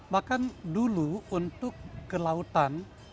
bahkan dulu untuk ke lautan